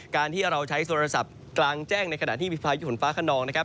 การที่เราใช้โทรศัพท์กลางแจ้งในขณะที่มีพายุฝนฟ้าขนองนะครับ